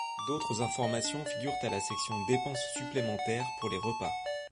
D’autres informations figurent à la section Dépenses supplémentaires pour les repas.